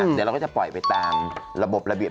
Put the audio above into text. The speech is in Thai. เดี๋ยวเราก็จะปล่อยไปตามระบบระเบียบ